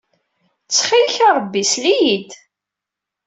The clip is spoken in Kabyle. Ttxil-k a Ṛebbi, sel-iyi-d!